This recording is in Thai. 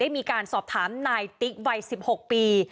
มีการสอบถามนายติ๊กวัย๑๖ปี